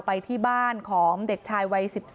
ไปที่บ้านของเด็กชายวัย๑๔